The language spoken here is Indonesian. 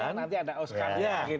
nanti ada oscar gitu lah